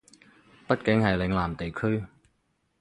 畢竟係嶺南地區